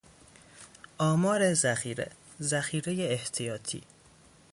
آماد ذخیره، ذخیره احتیاطی